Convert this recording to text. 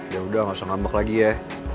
ya udah gak usah ngambak lagi ya